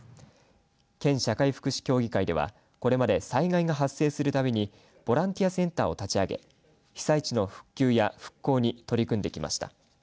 県社会福祉協議会では、これまで災害が発生するたびにボランティアセンターを立ち上げ被災地の復旧や復興に取り組んできました。